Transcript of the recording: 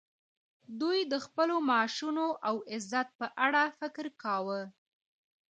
دوی د خپلو معاشونو او عزت په اړه فکر کاوه